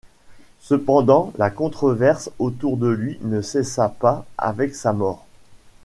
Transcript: Cependant la controverse autour de lui ne cessa pas avec sa mort.